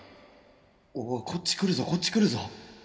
おっこっち来るぞこっち来るぞ